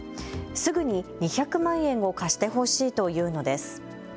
すぐに２００万円を貸してほしいと言うのです。